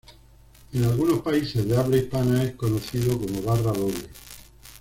En algunos países de habla hispana es conocido como barra doble.